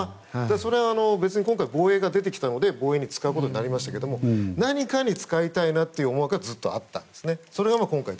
それは、別に今回防衛が出てきたので防衛に使うことになりましたけど何かに使いたいなという思惑はずっとあったんですね。